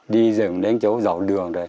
đi dừng đến chỗ dạo đường rồi